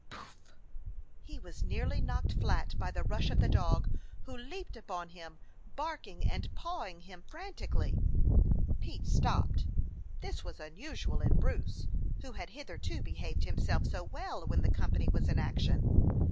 Pouf! He was nearly knocked flat by the rush of the dog, who leaped upon him, bark ing and pawing him frantically. Pete stopped. This was unusual in Bruce, who had hitherto behaved himself so well when the company was in action.